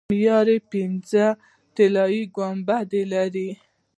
معماري یې پنځه طلایي ګنبدونه لري.